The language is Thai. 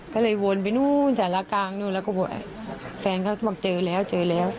ก็เลยวนไปนู่นสารกลางนู่นแล้วก็บอกแฟนเขาบอกเจอแล้วเจอแล้ว